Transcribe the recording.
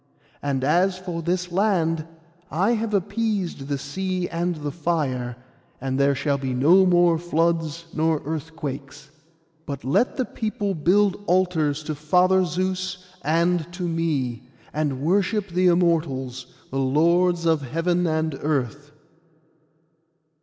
And as for this land, I have appeased the sea and the fire, and there shall be no more floods nor earthquakes. But let the people build altars to Father Zeus, and to me, and worship the Immortals, the Lords of heaven and earth.